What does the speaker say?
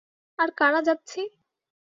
আর কারা যাচ্ছি?